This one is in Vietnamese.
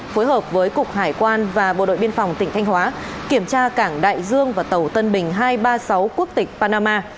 phối hợp với cục hải quan và bộ đội biên phòng tỉnh thanh hóa kiểm tra cảng đại dương và tàu tân bình hai trăm ba mươi sáu quốc tịch panama